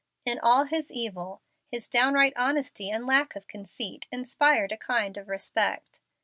In all his evil, his downright honesty and lack of conceit inspired a kind of respect.